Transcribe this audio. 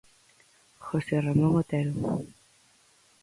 José Ramón Otero.